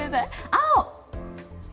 青！